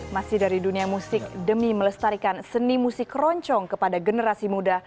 masih dari dunia musik demi melestarikan seni musik keroncong kepada generasi muda